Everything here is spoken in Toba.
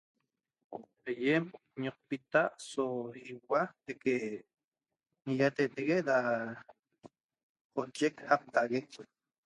Aiem ñoqpita so ihua teque inhiatetegue da qoyet jaqtahague